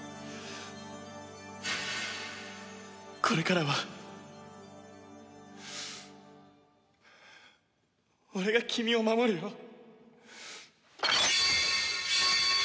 これからは俺が君を守るよ。